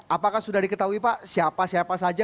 apakah sudah diketahui pak siapa siapa saja